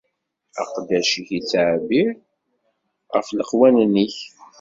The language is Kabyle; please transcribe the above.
Aqeddac-ik ittɛebbir ɣef leqwanen-ik.